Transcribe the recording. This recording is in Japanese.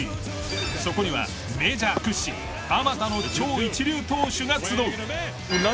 そこにはメジャー屈指数多の超一流投手が集う。